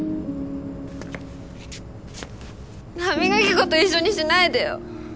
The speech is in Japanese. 歯磨き粉と一緒にしないでよ。